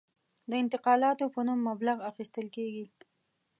د انتقالاتو په نوم مبلغ اخیستل کېږي.